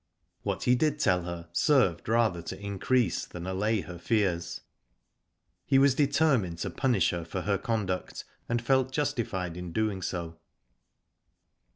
What he did tell her served rather to increase than allay her fears. He was determined to punish her for her conduct, and felt justified in doing so.